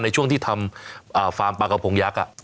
ในช่วงที่ทำฟาร์มปลากระพงยักษ์